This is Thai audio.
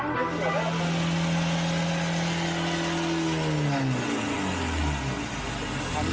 จอดอยู่ตรงนี้ครับ